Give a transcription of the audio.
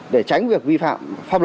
để tránh việc vi phạm